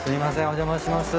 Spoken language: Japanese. お邪魔します。